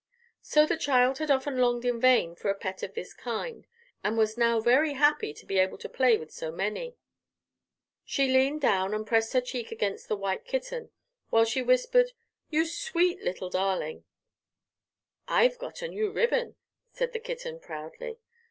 So the child had often longed in vain for a pet of this kind, and was now very happy to be able to play with so many. She leaned down and pressed her cheek against the white kitten, while she whispered: "You sweet little darling!" "I've got a new ribbon," said the kitten, proudly.